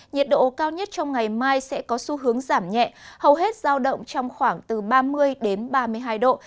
nhiệt độ cao nhất trong ngày mai sẽ có xu hướng giảm nhẹ hầu hết giao động trong khoảng từ ba mươi đến ba mươi hai độ